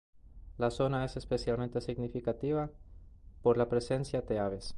La zona es especialmente significativa por la presencia de aves.